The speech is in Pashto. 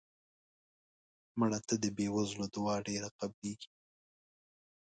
مړه ته د بې وزلو دعا ډېره قبلیږي